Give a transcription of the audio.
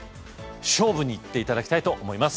勝負にいって頂きたいと思います